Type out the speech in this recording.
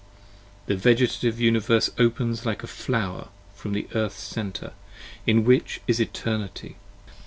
The Vegetative Universe opens like a flower from the Earth's center, 35 In which is Eternity.